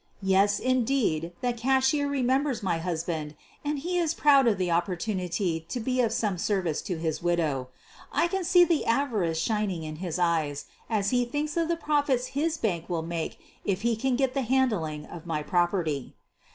Yes, indeed, the cashier remembers my husband and he is proud of the opportunity to be of some service to his widow. I can see the avarice shining in his eyes as he thinks of the profits his bank will make if he can get the handling of my property.